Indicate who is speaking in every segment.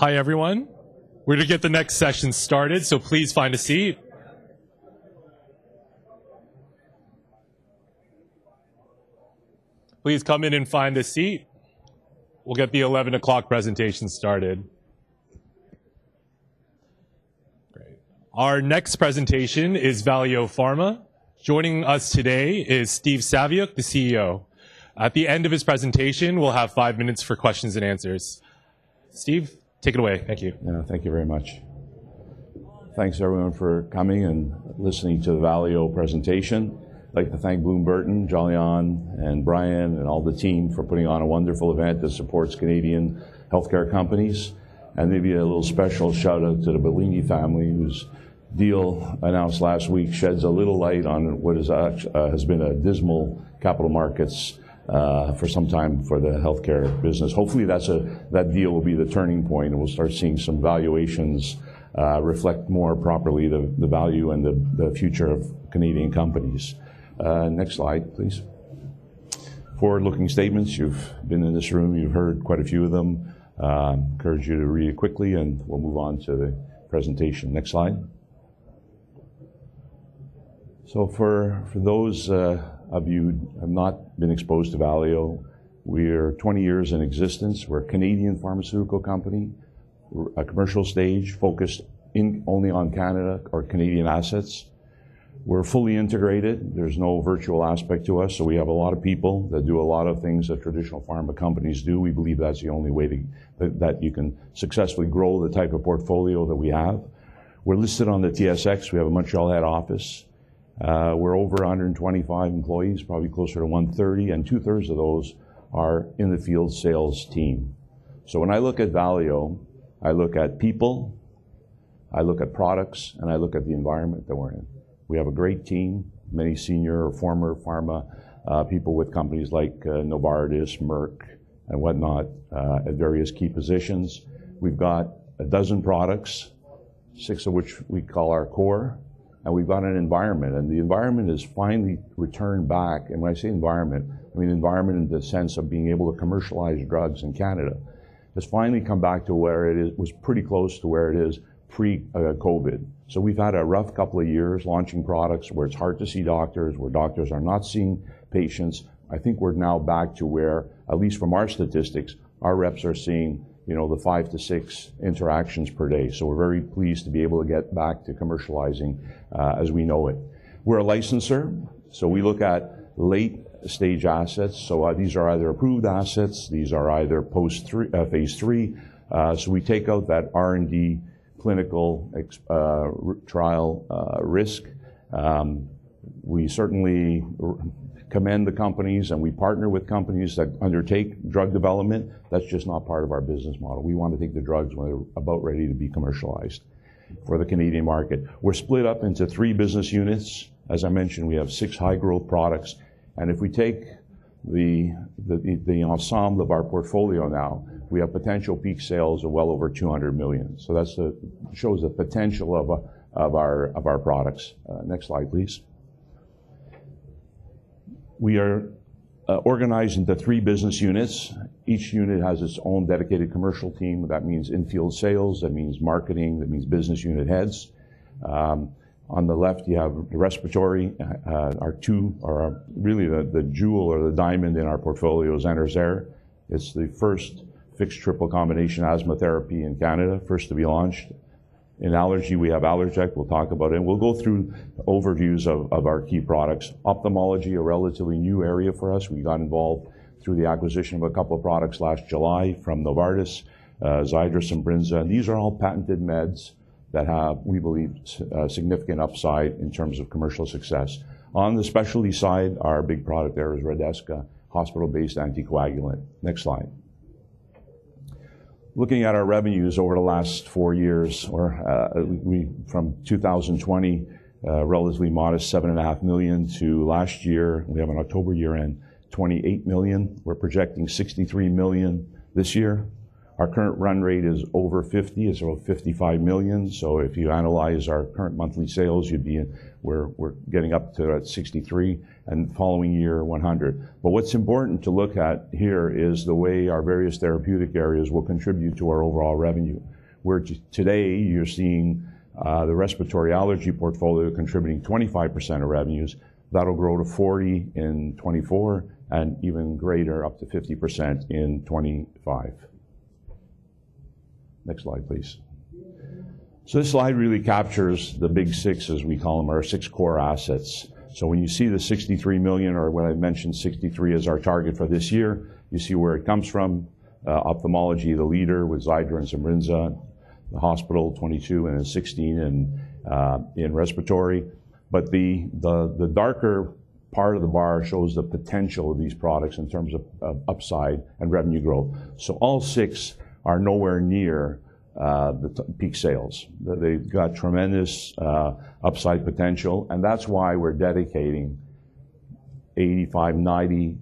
Speaker 1: Hi, everyone. We're gonna get the next session started, so please find a seat. Please come in and find a seat. We'll get the 11:00 A.M. presentation started. Great. Our next presentation is Valeo Pharma. Joining us today is Steve Saviuk, the CEO. At the end of his presentation, we'll have 5 minutes for questions and answers. Steve, take it away. Thank you.
Speaker 2: Thank you very much. Thanks, everyone, for coming and listening to the Valeo presentation. I'd like to thank Bloom Burton, Jolyon and Brian and all the team for putting on a wonderful event that supports Canadian healthcare companies. Maybe a little special shout-out to the Bellini family whose deal announced last week sheds a little light on what has been a dismal capital markets for some time for the healthcare business. Hopefully that deal will be the turning point, and we'll start seeing some valuations reflect more properly the value and the future of Canadian companies. Next slide, please. Forward-looking statements. You've been in this room. You've heard quite a few of them. Encourage you to read it quickly, and we'll move on to the presentation. Next slide. For those of you who have not been exposed to Valeo, we're 20 years in existence. We're a Canadian pharmaceutical company. We're at commercial stage focused in only on Canada or Canadian assets. We're fully integrated. There's no virtual aspect to us. We have a lot of people that do a lot of things that traditional pharma companies do. We believe that's the only way that you can successfully grow the type of portfolio that we have. We're listed on the TSX. We have a Montreal head office. We're over 125 employees, probably closer to 130, and 2/3 of those are in the field sales team. When I look at Valeo, I look at people, I look at products, and I look at the environment that we're in. We have a great team, many senior or former pharma people with companies like Novartis, Merck and whatnot at various key positions. We've got 12 products, six of which we call our core. We've got an environment, and the environment has finally returned back. When I say environment, I mean environment in the sense of being able to commercialize drugs in Canada. It's finally come back to where it was pretty close to where it is pre-COVID. We've had a rough couple of years launching products where it's hard to see doctors, where doctors are not seeing patients. I think we're now back to where, at least from our statistics, our reps are seeing, you know, the five to six interactions per day. We're very pleased to be able to get back to commercializing as we know it. We're a licensor, we look at late-stage assets. These are either approved assets. These are either post Phase III, Phase III. We take out that R&D clinical trial risk. We certainly commend the companies, and we partner with companies that undertake drug development. That's just not part of our business model. We want to take the drugs when they're about ready to be commercialized for the Canadian market. We're split up into 3 business units. As I mentioned, we have 6 high-growth products, and if we take the ensemble of our portfolio now, we have potential peak sales of well over 200 million. That's shows the potential of our products. Next slide, please. We are organized into 3 business units. Each unit has its own dedicated commercial team. That means in-field sales. That means marketing. That means business unit heads. On the left, you have respiratory. Our two are really the jewel or the diamond in our portfolio is Enerzair Breezhaler. It's the first fixed triple combination asthma therapy in Canada, first to be launched. In allergy, we have Allerject. We'll talk about it, and we'll go through overviews of our key products. Ophthalmology, a relatively new area for us. We got involved through the acquisition of a couple of products last July from Novartis, XIIDRA and SIMBRINZA. These are all patented meds that have, we believe, significant upside in terms of commercial success. On the specialty side, our big product there is Redesca, hospital-based anticoagulant. Next slide. Looking at our revenues over the last four years or, we... from 2020, relatively modest seven and a half million to last year, we have an October year-end, 28 million. We're projecting 63 million this year. Our current run rate is over 50. It's about 55 million. If you analyze our current monthly sales, we're getting up to about 63 million and the following year 100 million. What's important to look at here is the way our various therapeutic areas will contribute to our overall revenue. Where today you're seeing the respiratory allergy portfolio contributing 25% of revenues, that'll grow to 40% in 2024 and even greater, up to 50% in 2025. Next slide, please. This slide really captures the big six, as we call them, our six core assets. When you see the 63 million or when I mentioned 63 as our target for this year, you see where it comes from. Ophthalmology, the leader with XIIDRA and SIMBRINZA, the hospital 22 million and then 16 million in Respiratory. The darker part of the bar shows the potential of these products in terms of upside and revenue growth. All six are nowhere near the peak sales. They've got tremendous upside potential, and that's why we're dedicating 85-90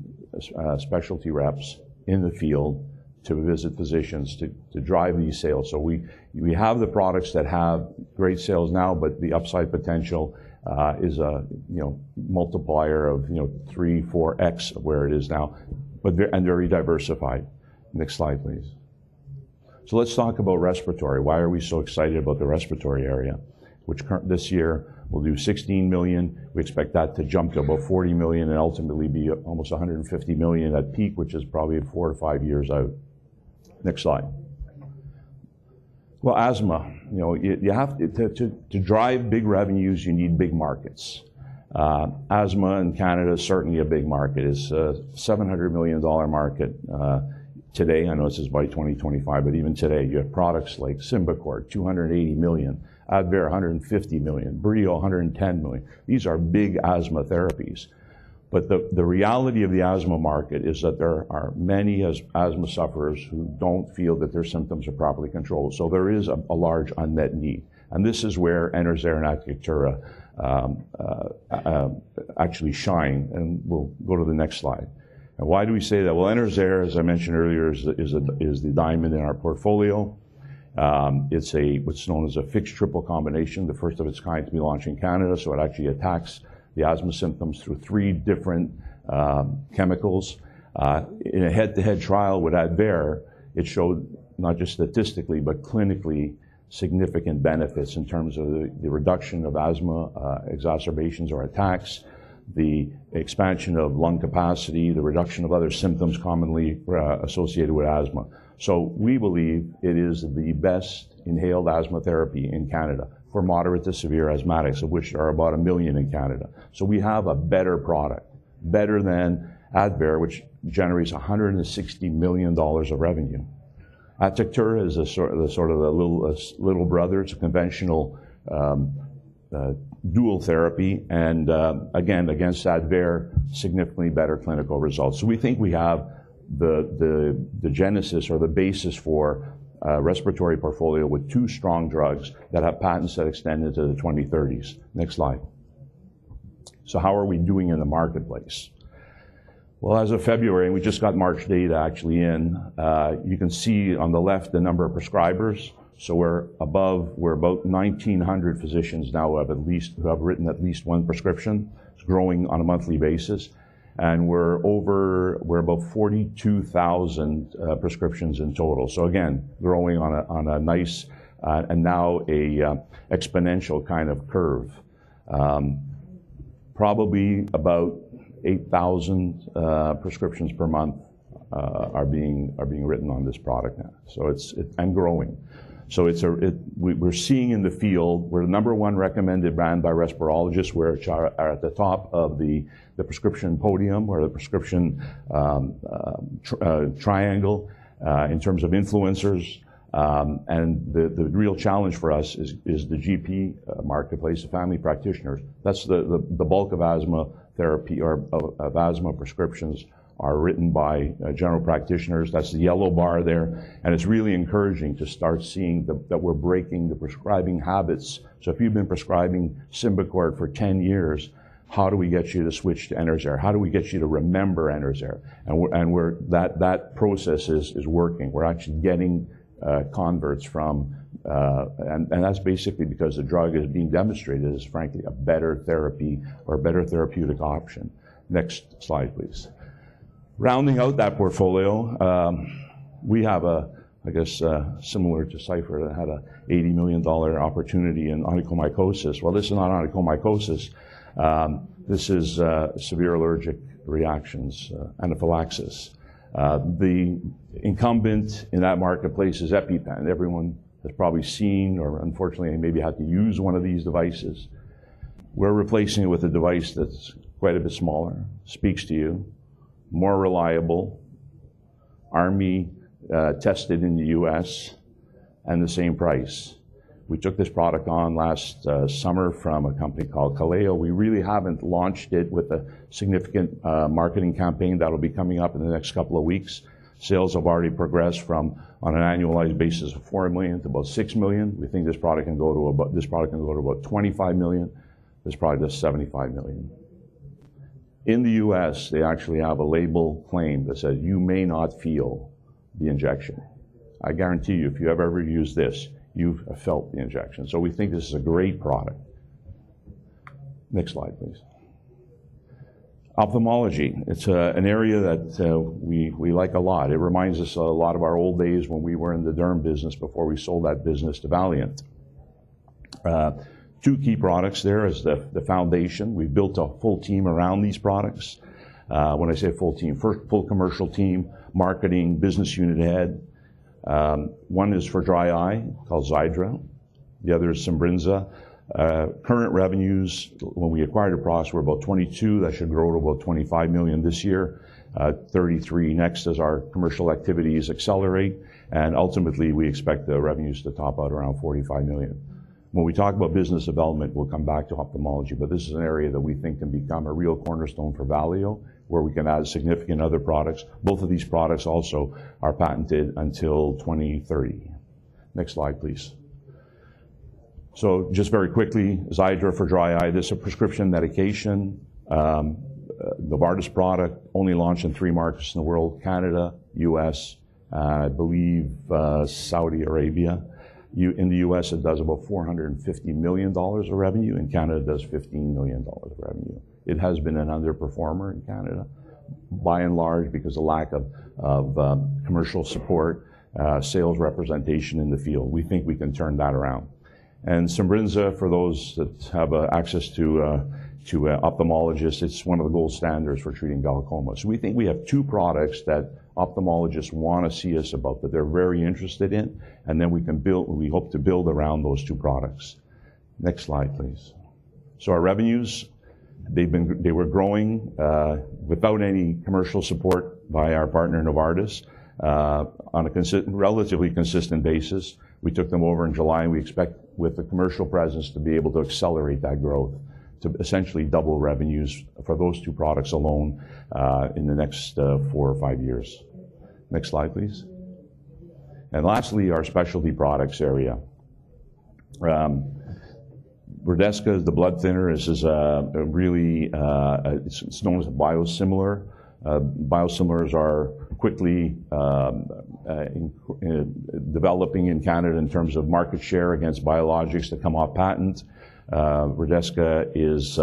Speaker 2: specialty reps in the field to visit physicians to drive these sales. We have the products that have great sales now, but the upside potential is, you know, multiplier of, you know, 3-4x where it is now, and they're diversified. Next slide, please. Let's talk about Respiratory. Why are we so excited about the respiratory area? This year will do 16 million. We expect that to jump to about 40 million and ultimately be almost 150 million at peak, which is probably 4 to 5 years out. Next slide. Asthma, you know, you have to drive big revenues, you need big markets. Asthma in Canada, certainly a big market. It's a 700 million dollar market today. I know this is by 2025, but even today you have products like SYMBICORT, 280 million; Advair, 150 million; Breo, 110 million. These are big asthma therapies. The reality of the asthma market is that there are many asthma sufferers who don't feel that their symptoms are properly controlled. There is a large unmet need. This is where Enerzair and Atectura actually shine. We'll go to the next slide. Why do we say that? Well, Enerzair, as I mentioned earlier, is the diamond in our portfolio. It's a what's known as a fixed triple combination, the first of its kind to be launched in Canada. It actually attacks the asthma symptoms through three different chemicals. In a head-to-head trial with Advair, it showed not just statistically, but clinically significant benefits in terms of the reduction of asthma exacerbations or attacks, the expansion of lung capacity, the reduction of other symptoms commonly associated with asthma. We believe it is the best inhaled asthma therapy in Canada for moderate to severe asthmatics, of which there are about 1 million in Canada. We have a better product, better than Advair, which generates 160 million dollars of revenue. Atectura is a sort of a little brother. It's a conventional dual therapy, and again, against Advair, significantly better clinical results. We think we have the genesis or the basis for a respiratory portfolio with two strong drugs that have patents that extend into the 2030s. Next slide. How are we doing in the marketplace? Well, as of February, and we just got March data actually in, you can see on the left the number of prescribers. We're about 1,900 physicians now who have written at least one prescription. It's growing on a monthly basis. And we're about 42,000 prescriptions in total. Again, growing on a, on a nice, and now a exponential kind of curve. Probably about 8,000 prescriptions per month are being written on this product now. And growing. We're seeing in the field we're the number one recommended brand by respirologists. We're at, are at the top of the prescription podium or the prescription triangle in terms of influencers. The real challenge for us is the GP marketplace, the family practitioners. That's the bulk of asthma therapy or of asthma prescriptions are written by general practitioners. That's the yellow bar there. It's really encouraging to start seeing that we're breaking the prescribing habits. If you've been prescribing SYMBICORT for 10 years, how do we get you to switch to Enerzair? How do we get you to remember Enerzair? That process is working. We're actually getting converts from... That's basically because the drug is being demonstrated as, frankly, a better therapy or a better therapeutic option. Next slide, please. Rounding out that portfolio, we have a, I guess, similar to Cipher that had a $80 million opportunity in onychomycosis. This is not onychomycosis. This is severe allergic reactions, anaphylaxis. The incumbent in that marketplace is EpiPen. Everyone has probably seen or unfortunately maybe had to use one of these devices. We're replacing it with a device that's quite a bit smaller, speaks to you, more reliable, army tested in the U.S., and the same price. We took this product on last summer from a company called Kaléo. We really haven't launched it with a significant marketing campaign. That'll be coming up in the next couple of weeks. Sales have already progressed from, on an annualized basis, 4 million to about 6 million. We think this product can go to about 25 million. This product is 75 million. In the U.S., they actually have a label claim that says, "You may not feel the injection." I guarantee you, if you have ever used this, you have felt the injection. We think this is a great product. Next slide, please. Ophthalmology. It's an area that we like a lot. It reminds us a lot of our old days when we were in the derm business before we sold that business to Valeant. Two key products there is the foundation. We built a full team around these products. When I say full team, full commercial team, marketing, business unit head. One is for dry eye called XIIDRA, the other is SIMBRINZA. Current revenues when we acquired Aprax were about 22 million. That should grow to about 25 million this year. 33 million next as our commercial activities accelerate, and ultimately we expect the revenues to top out around 45 million. When we talk about business development, we'll come back to ophthalmology, but this is an area that we think can become a real cornerstone for Valeo, where we can add significant other products. Both of these products also are patented until 2030. Next slide, please. Just very quickly, XIIDRA for dry eye. This is a prescription medication. Novartis product only launched in 3 markets in the world: Canada, U.S., I believe, Saudi Arabia. In the U.S., it does about $450 million of revenue. In Canada, it does 15 million dollars of revenue. It has been an underperformer in Canada. By and large, because of lack of commercial support, sales representation in the field. We think we can turn that around. SIMBRINZA, for those that have access to a ophthalmologist, it's one of the gold standards for treating glaucomas. We think we have 2 products that ophthalmologists wanna see us about, that they're very interested in, and then we hope to build around those 2 products. Next slide, please. Our revenues, they were growing without any commercial support by our partner, Novartis, on a relatively consistent basis. We took them over in July, and we expect with the commercial presence to be able to accelerate that growth to essentially double revenues for those two products alone, in the next four or five years. Next slide, please. Lastly, our specialty products area. Redesca is the blood thinner. This is really, it's known as a biosimilar. Biosimilars are quickly developing in Canada in terms of market share against biologics that come off patent. Redesca is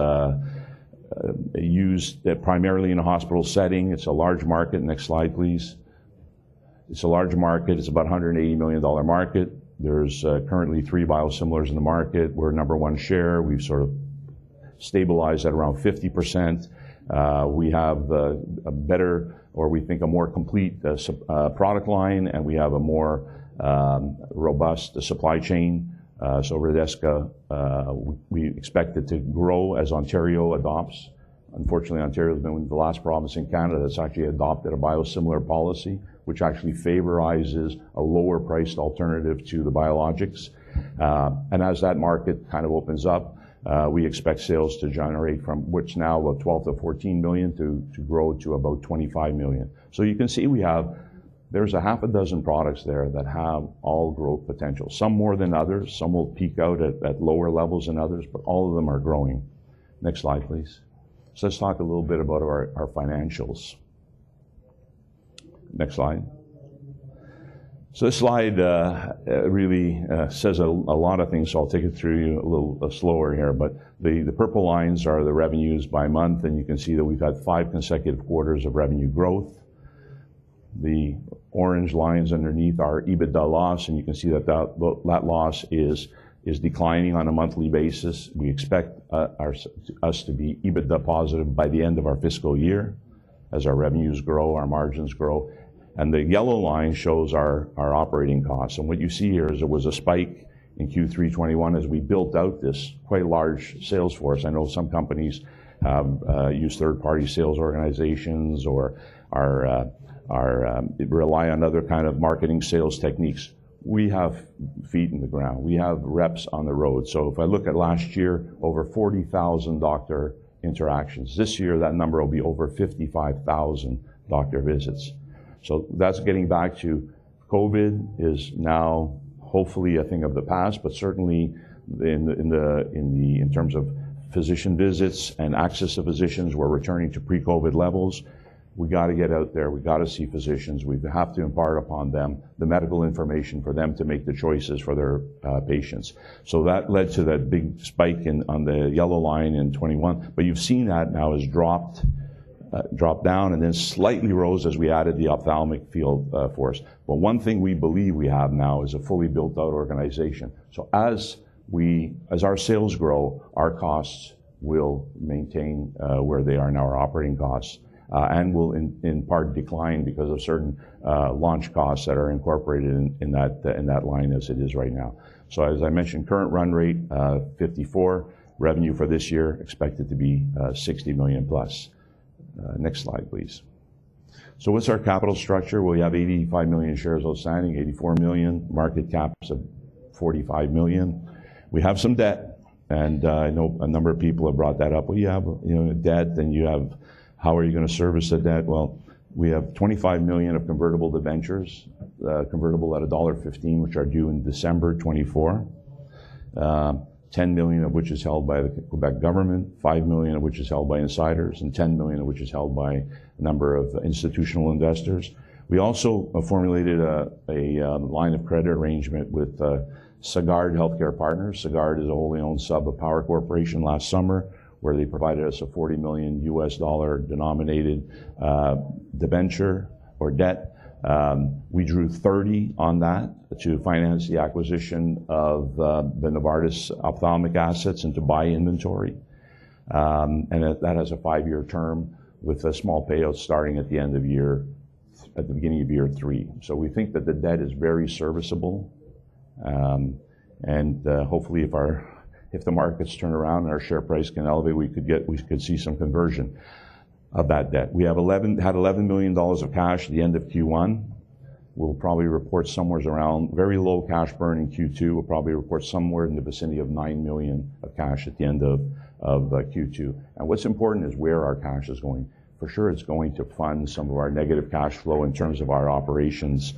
Speaker 2: used primarily in a hospital setting. It's a large market. Next slide, please. It's a large market. It's about a 180 million dollar market. There's currently three biosimilars in the market. We're number one share. We've sort of stabilized at around 50%. We have a better, or we think a more complete, product line, and we have a more robust supply chain. Redesca, we expect it to grow as Ontario adopts. Unfortunately, Ontario has been the last province in Canada that's actually adopted a biosimilar policy, which actually favorizes a lower priced alternative to the biologics. As that market kind of opens up, we expect sales to generate from which now about 12 million-14 million to grow to about 25 million. You can see there's a half a dozen products there that have all growth potential. Some more than others. Some will peak out at lower levels than others, all of them are growing. Next slide, please. Let's talk a little bit about our financials. Next slide. This slide really says a lot of things, so I'll take it through a little slower here. The purple lines are the revenues by month, and you can see that we've had five consecutive quarters of revenue growth. The orange lines underneath are EBITDA loss, and you can see that that loss is declining on a monthly basis. We expect us to be EBITDA positive by the end of our fiscal year as our revenues grow, our margins grow. The yellow line shows our operating costs. What you see here is there was a spike in Q3 2021 as we built out this quite large sales force. I know some companies, use third-party sales organizations or are rely on other kind of marketing sales techniques. We have feet in the ground. We have reps on the road. If I look at last year, over 40,000 doctor interactions. This year, that number will be over 55,000 doctor visits. That's getting back to COVID is now hopefully a thing of the past, but certainly in terms of physician visits and access to physicians, we're returning to pre-COVID levels. We gotta get out there. We gotta see physicians. We have to impart upon them the medical information for them to make the choices for their patients. That led to that big spike in, on the yellow line in 2021. You've seen that now has dropped down and then slightly rose as we added the ophthalmic field for us. One thing we believe we have now is a fully built-out organization. As our sales grow, our costs will maintain where they are in our operating costs and will in part decline because of certain launch costs that are incorporated in that line as it is right now. As I mentioned, current run rate, 54. Revenue for this year expected to be 60 million plus. Next slide, please. What's our capital structure? We have 85 million shares outstanding, 84 million, market cap's at 45 million. We have some debt, I know a number of people have brought that up. You have, you know, debt, you have... How are you gonna service the debt? We have 25 million of convertible debentures, convertible at CAD $1.15, which are due in December 2024. 10 million of which is held by the Quebec Government, 5 million of which is held by insiders, and 10 million of which is held by a number of institutional investors. We also have formulated a line of credit arrangement with Sagard Healthcare Partners. Sagard is a wholly owned sub of Power Corporation last summer, where they provided us a $40 million USD denominated debenture or debt. We drew 30 on that to finance the acquisition of the Novartis ophthalmic assets and to buy inventory. And that has a 5-year term with a small payout starting at the beginning of year 3. We think that the debt is very serviceable. Hopefully, if our, if the markets turn around and our share price can elevate, we could see some conversion of that debt. We had 11 million dollars of cash at the end of Q1. We'll probably report somewhere around very low cash burn in Q2. We'll probably report somewhere in the vicinity of 9 million of cash at the end of Q2. What's important is where our cash is going. For sure, it's going to fund some of our negative cash flow in terms of our operations.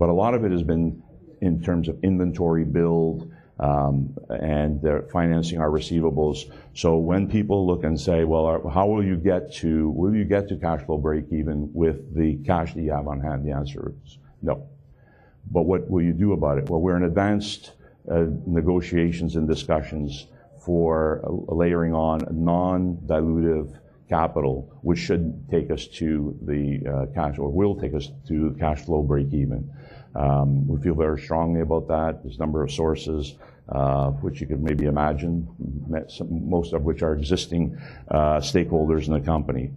Speaker 2: A lot of it has been in terms of inventory build, and they're financing our receivables. When people look and say, "Well, how will you get to... Will you get to cash flow break even with the cash that you have on hand? The answer is no. What will you do about it? Well, we're in advanced negotiations and discussions for layering on non-dilutive capital, which should take us to cash flow breakeven. We feel very strongly about that. There's a number of sources, which you could maybe imagine, most of which are existing stakeholders in the company.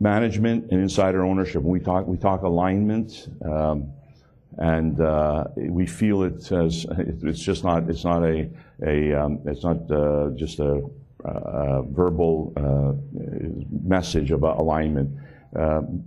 Speaker 2: Management and insider ownership. When we talk, we talk alignment, and we feel it. It's not just a verbal message about alignment. The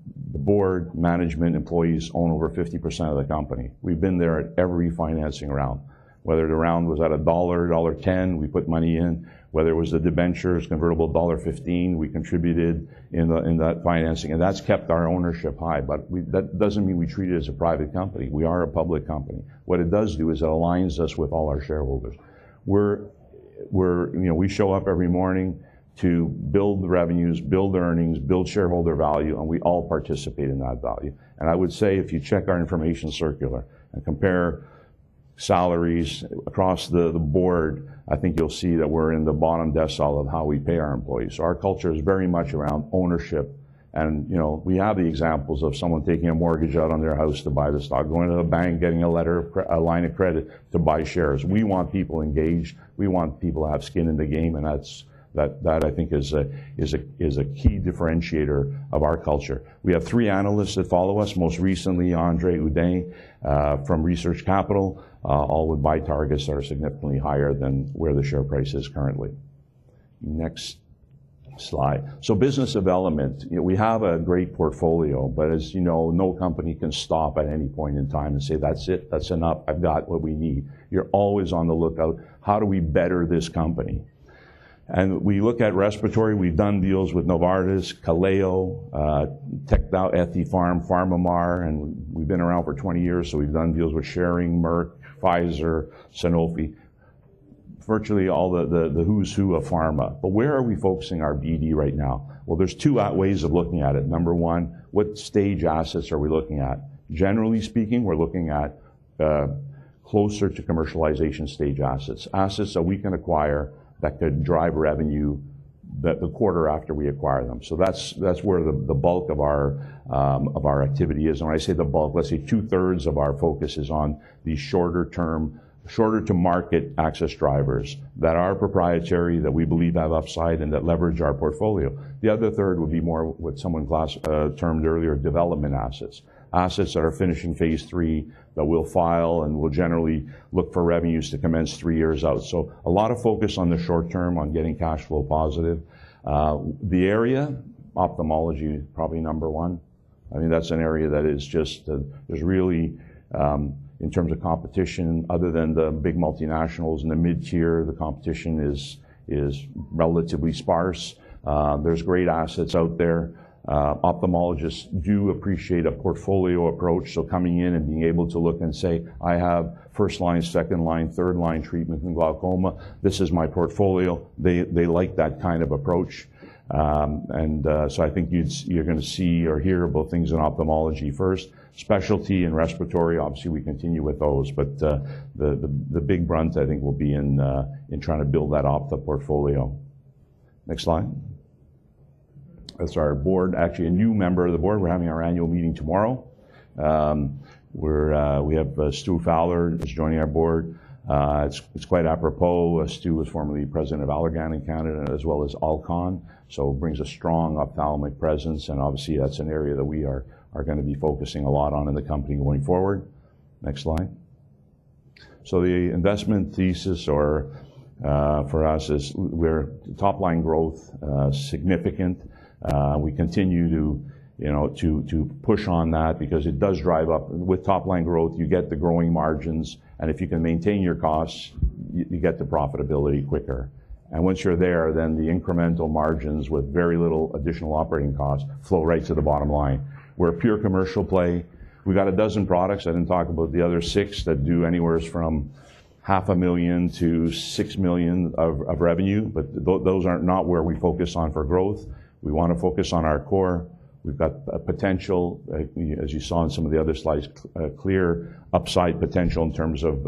Speaker 2: board, management, employees own over 50% of the company. We've been there at every financing round. Whether the round was at CAD 1, dollar 1.10, we put money in. Whether it was the debentures convertible dollar 1.15, we contributed in that financing, that's kept our ownership high. That doesn't mean we treat it as a private company. We are a public company. What it does do is it aligns us with all our shareholders. We're... You know, we show up every morning to build the revenues, build the earnings, build shareholder value, and we all participate in that value. I would say, if you check our information circular and compare salaries across the board, I think you'll see that we're in the bottom decile of how we pay our employees. Our culture is very much around ownership and, you know, we have the examples of someone taking a mortgage out on their house to buy the stock, going to the bank, getting a line of credit to buy shares. We want people engaged. We want people to have skin in the game, and that's. That, I think, is a, is a, is a key differentiator of our culture. We have three analysts that follow us. Most recently, André Audet from Research Capital, all with buy targets that are significantly higher than where the share price is currently. Next slide. Business development. You know, we have a great portfolio, but as you know, no company can stop at any point in time and say, "That's it. That's enough. I've got what we need." You're always on the lookout, how do we better this company? We look at respiratory. We've done deals with Novartis, Kaleo, Teikoku, Ethypharm, PharmaMar, and we've been around for 20 years. We've done deals with Schering, Merck, Pfizer, Sanofi. Virtually all the who's who of pharma. Where are we focusing our BD right now? There's 2 ways of looking at it. Number 1, what stage assets are we looking at? Generally speaking, we're looking at closer to commercialization stage assets. Assets that we can acquire that could drive revenue the quarter after we acquire them. That's where the bulk of our activity is. When I say the bulk, let's say 2/3 of our focus is on the shorter term, shorter to market access drivers that are proprietary, that we believe have upside, and that leverage our portfolio. The other third would be more what someone termed earlier, development assets. Assets that are finishing phase three, that we'll file and we'll generally look for revenues to commence 3 years out. A lot of focus on the short term on getting cash flow positive. The area, ophthalmology probably number 1. I mean, that's an area that is just. There's really, in terms of competition, other than the big multinationals in the mid-tier, the competition is relatively sparse. There's great assets out there. Ophthalmologists do appreciate a portfolio approach, coming in and being able to look and say, "I have first-line, second-line, third-line treatment in glaucoma. This is my portfolio." They like that kind of approach. I think you're gonna see or hear about things in ophthalmology first. Specialty and respiratory, obviously, we continue with those. The big brunt I think will be in trying to build that ophtha portfolio. Next slide. That's our board. Actually, a new member of the board. We're having our annual meeting tomorrow. We have Stuart Fowler is joining our board. It's quite apropos. Stu was formerly president of Allergan in Canada as well as Alcon, so brings a strong ophthalmic presence, and obviously that's an area that we are gonna be focusing a lot on in the company going forward. Next slide. The investment thesis or for us is we're top-line growth, significant. We continue to, you know, to push on that because it does drive up. With top-line growth, you get the growing margins, and if you can maintain your costs, you get the profitability quicker. Once you're there, then the incremental margins with very little additional operating costs flow right to the bottom line. We're a pure commercial play. We got 12 products. I didn't talk about the other 6 that do anywheres from half a million to 6 million of revenue, but those aren't not where we focus on for growth. We wanna focus on our core. We've got a potential, as you saw in some of the other slides, clear upside potential in terms of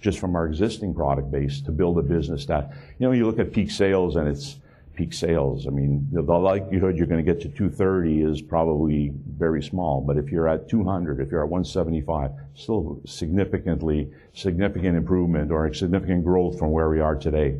Speaker 2: just from our existing product base to build a business that. You know, you look at peak sales, it's peak sales. I mean, the likelihood you're gonna get to 230 is probably very small. If you're at 200, if you're at 175, still significant improvement or significant growth from where we are today.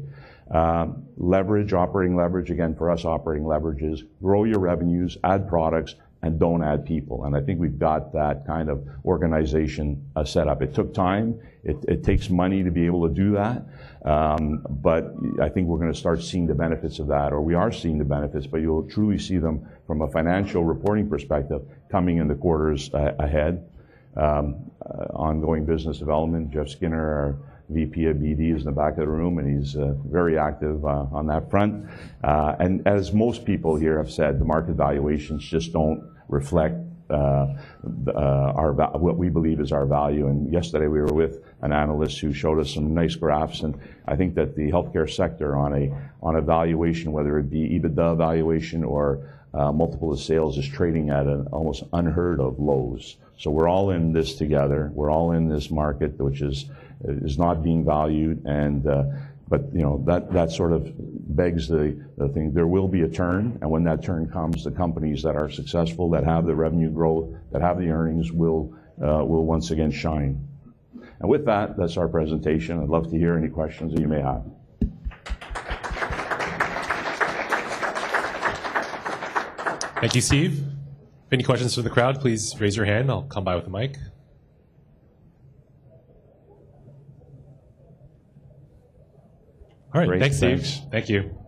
Speaker 2: Leverage, operating leverage. Again, for us, operating leverage is grow your revenues, add products, and don't add people, and I think we've got that kind of organization set up. It took time. It takes money to be able to do that. I think we're gonna start seeing the benefits of that, or we are seeing the benefits, but you'll truly see them from a financial reporting perspective coming in the quarters ahead. Ongoing business development. Jeff Skinner, our VP of BD, is in the back of the room, and he's very active on that front. As most people here have said, the market valuations just don't reflect the what we believe is our value. Yesterday we were with an analyst who showed us some nice graphs, and I think that the healthcare sector on a valuation, whether it be EBITDA valuation or multiple of sales, is trading at an almost unheard of lows. We're all in this together. We're all in this market, which is not being valued. You know, that sort of begs the thing. There will be a turn, and when that turn comes, the companies that are successful, that have the revenue growth, that have the earnings will once again shine. With that's our presentation. I'd love to hear any questions that you may have.
Speaker 1: Thank you, Steve. If any questions from the crowd, please raise your hand. I'll come by with the mic. All right. Thanks, Steve.
Speaker 2: Great. Thanks.
Speaker 1: Thank you.